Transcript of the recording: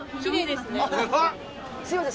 すみません